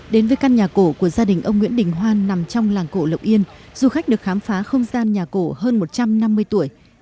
đến với căn nhà cổ của gia đình ông nguyễn đình hoan nằm trong làng cổ lộc yên du khách được khám phá không gian nhà cổ hơn một trăm năm mươi tuổi